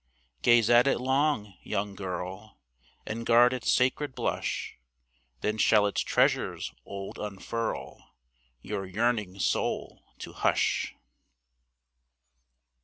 Gaze at it long, young girl, And guard its sacred blush; Then shall its treasures old unfurl Your yearning soul to hush.